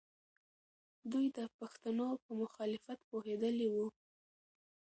دوی د پښتنو په مخالفت پوهېدلې وو.